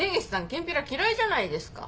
キンピラ嫌いじゃないですか。